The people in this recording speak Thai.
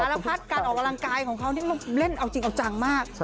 พัดการออกกำลังกายของเขานี่มันเล่นเอาจริงเอาจังมาก